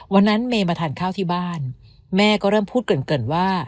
วันนั้นเมย์มาทานข้าวที่บ้านแม่ก็เริ่มพูดเกินว่า